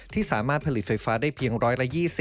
ที่สามารถผลิตไฟฟ้าได้เพียงร้อยละ๒๐